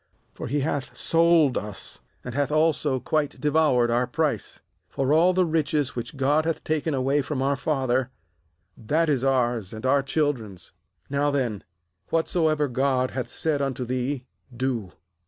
for he hath sold us, and hath also quite devoured our price. 16For all the riches which God hath taken away from our father, that is ours and our children's. Now then, whatsoever God hath said unto thee, do.'